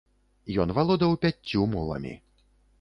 Ён валодаў пяццю мовамі.